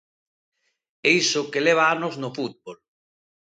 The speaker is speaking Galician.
E iso que leva anos no fútbol.